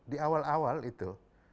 di awal awal itu